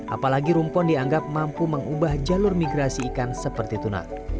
apalagi rumpon dianggap mampu mengubah jalur migrasi ikan seperti tuna